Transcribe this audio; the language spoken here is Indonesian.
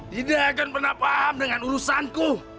tidak akan pernah paham dengan urusanku